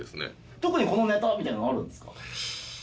特にこのネタみたいなのあるんですか？